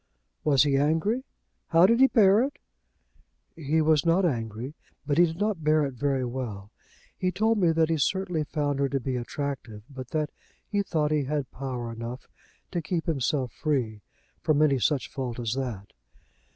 "Was he angry?" "How did he bear it?" "He was not angry, but he did not bear it very well. He told me that he certainly found her to be attractive, but that he thought he had power enough to keep himself free from any such fault as that.